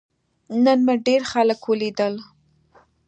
نن مې ډیر خلک ولیدل.